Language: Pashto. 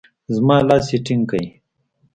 زما لاس يې ټينګ کړ.